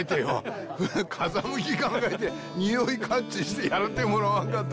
風向き考えてにおいを感知してやってもらわなかったら。